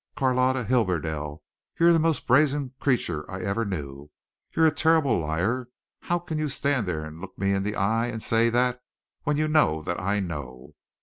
"Carlotta Hibberdell, you're the most brazen creature I ever knew! You're a terrible liar. How can you stand there and look me in the eye and say that, when you know that I know?